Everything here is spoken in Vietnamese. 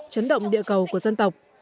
chấn động địa cầu của dân tộc